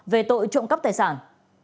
về tội trộm cắp tài sản